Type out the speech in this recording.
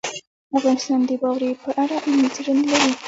افغانستان د واوره په اړه علمي څېړنې لري.